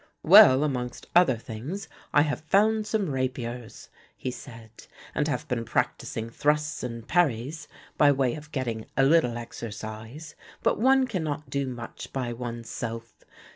"Well, amongst other things I have found some rapiers," he said, "and have been practising thrusts and parries, by way of getting a little exercise, but one cannot do much by oneself.